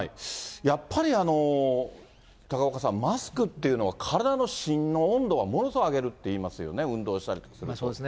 やっぱり、高岡さん、マスクっていうのは、体の芯の温度をものすごい上げるっていいますよね、運動したりとそうですね。